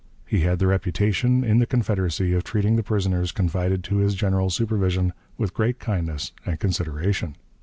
He had the reputation, in the Confederacy, of treating the prisoners confided to his general supervision with great kindness and consideration."